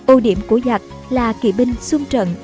ưu điểm của giặc là kỵ binh xung trận